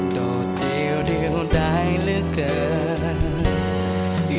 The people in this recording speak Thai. โดดเดียวใดเหลือเกิน